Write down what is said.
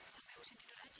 sampai usin tidur aja